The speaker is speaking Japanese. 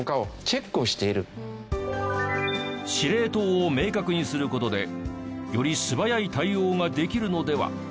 司令塔を明確にする事でより素早い対応ができるのでは？